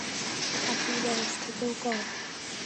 আপনার বয়স থেকেও কম।